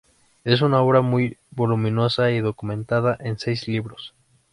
Es una obra muy voluminosa y documentada, en seis libros.